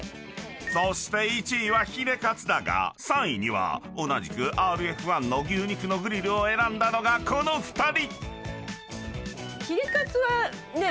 ［そして１位はヒレかつだが３位には同じく「ＲＦ１」の牛肉のグリルを選んだのがこの２人］